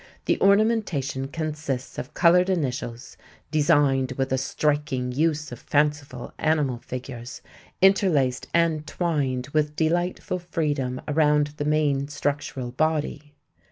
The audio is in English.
The ornamentation consists of colored initials, designed with a striking use of fanciful animal figures interlaced and twined with delightful freedom around the main structural body.